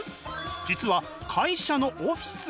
実は会社のオフィス。